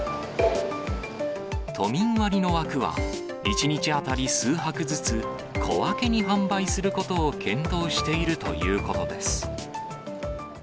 都民割の枠は、１日当たり数泊ずつ、小分けに販売することを検討しているということです。